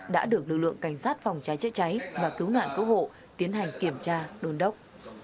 đã được lực lượng cảnh sát phòng cháy chữa cháy và cứu nạn cứu hộ tiến hành kiểm tra đôn đốc